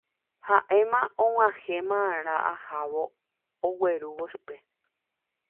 Haʼéma og̃uahẽma ára ahávo aguerúvo chupe.